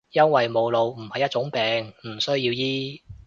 因為冇腦唔係一種病，唔需要醫